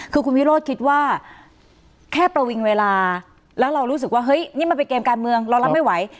คือคุณวิโรธคิดว่าแค่ประวิงเวลาแล้วเรารู้สึกว่าเฮ้ยนี่มันเป็นเกมการเมืองเรารับไม่ไหว